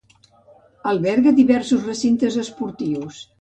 Alberga diversos recintes esportius.